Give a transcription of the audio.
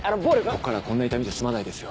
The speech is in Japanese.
こっからはこんな痛みじゃ済まないですよ。